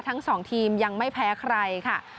ทั้งสองทีมยังไม่แพ้ใครค่ะ